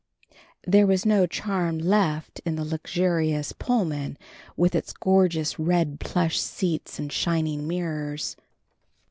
There was no charm left in the luxurious Pullman with its gorgeous red plush seats and shining mirrors.